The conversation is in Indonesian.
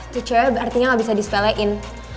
itu cewek artinya gak bisa dispelein